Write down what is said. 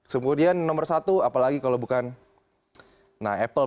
kemudian nomor satu apalagi kalau bukan apple